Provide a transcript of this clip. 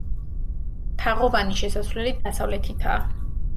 თაღოვანი შესასვლელი დასავლეთითაა.